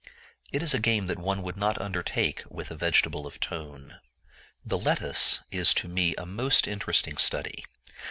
It is a game that one would not undertake with a vegetable of tone. The lettuce is to me a most interesting study.